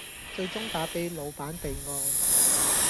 最終打俾老闆備案